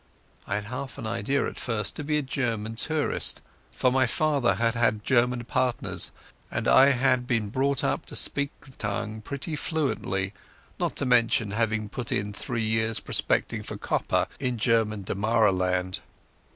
I had half an idea at first to be a German tourist, for my father had had German partners, and I had been brought up to speak the tongue pretty fluently, not to mention having put in three years prospecting for copper in German Damaraland.